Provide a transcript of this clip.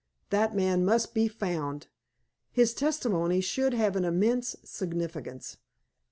That man must be found. His testimony should have an immense significance.